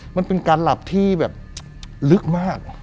มันเป็นการหลับที่แบบลึกมาก